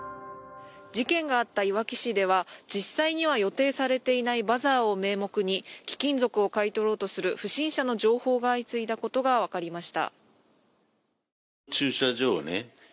事件があったいわき市では実際には予定されていないバザーを名目に貴金属を買い取ろうとする不審者の情報が相次いでいたことがわかりました。